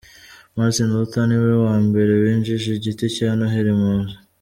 Martin Luther niwe wa mbere winjije igiti cya Noheli mu nzu.